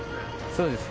そうです